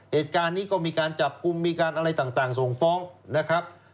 เหตุการณ์นี้ก็มีการจับกลุ่มมีการอะไรต่างส่งฟ้องนะครับ